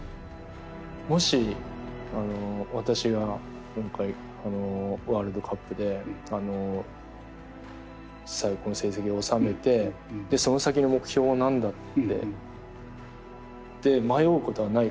もし私が今回のワールドカップで最高の成績を収めてその先の目標は何だってって迷うことはないかなって。